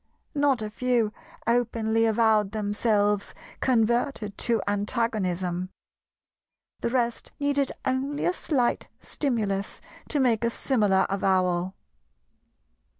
Not a few openly avowed themselves converted to antagonism; the rest needed only a slight stimulus to make a similar avowal.